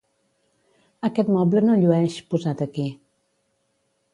Aquest moble no llueix, posat aquí.